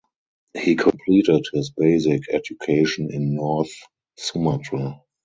He completed his basic education in North Sumatra.